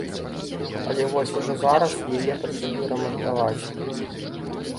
Але вось ўжо зараз яе пачалі рамантаваць.